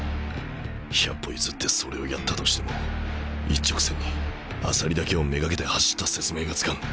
百歩譲ってそれをやったとしても一直線に朝利だけを目がけて走った説明がつかん。